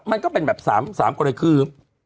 มันก็เป็นแบบ๓กรณีคือ